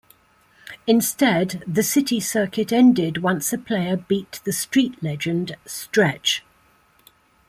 Instead, the City Circuit ended once a player beat the Street Legend "Stretch".